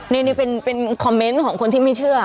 นี่เป็นคอมเมนต์ของคนที่ไม่เชื่อ